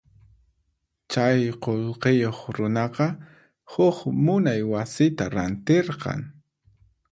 Chay qullqiyuq runaqa huk munay wasita rantirqan.